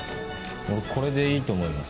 俺これでいいと思います。